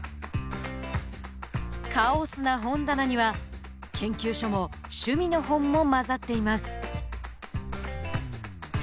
カオスな本棚には研究書も趣味の本も交ざっています。